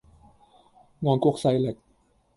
外國勢力